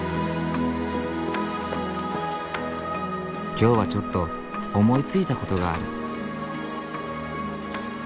今日はちょっと思いついたことがある。